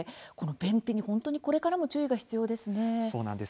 この便秘には、これからも注意が必要ですね。